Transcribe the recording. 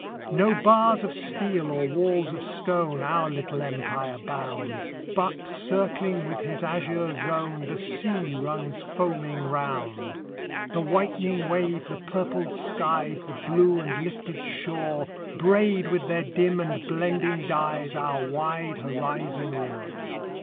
No bars of steel or walls of stone Our little empire bound, But, circling with his azure zone, The sea runs foaming round; The whitening wave, the purpled skies, The blue and lifted shore, Braid with their dim and blending dyes Our wide horizon o'er.